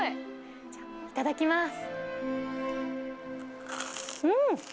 じゃ、いただきます。